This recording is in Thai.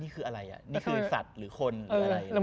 นี่คืออะไรนี่คือสัตว์หรือคนหรืออะไร